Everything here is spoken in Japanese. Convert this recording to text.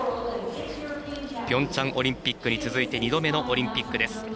ピョンチャンオリンピックに続いて２度目のオリンピックです。